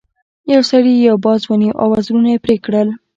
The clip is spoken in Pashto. یو سړي یو باز ونیو او وزرونه یې پرې کړل.